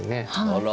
あら。